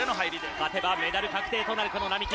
勝てばメダル確定となる、この並木。